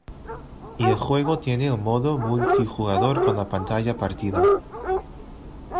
Y el juego tiene un modo multijugador con la Pantalla partida.